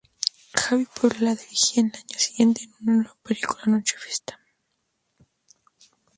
Xavi Puebla la dirigiría al año siguiente en una nueva película, "Noche de fiesta".